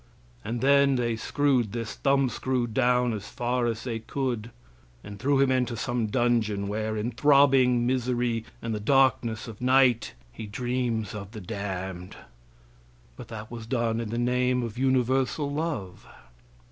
And then they screwed this thumbscrew down as far as they could and threw him into some dungeon, where, in throbbing misery and the darkness of night, he dreams of the damned; but that was done in the name of universal love.